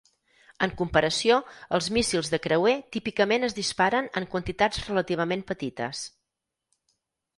En comparació, els míssils de creuer típicament es disparen en quantitats relativament petites.